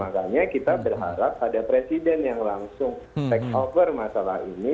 makanya kita berharap ada presiden yang langsung take over masalah ini